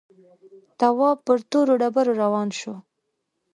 تواب پر تورو ډبرو روان شو.